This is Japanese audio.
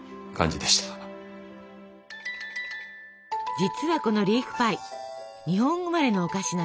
実はこのリーフパイ日本生まれのお菓子なんです。